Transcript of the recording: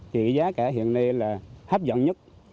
thì giá cả hiện nay là hấp dẫn nhất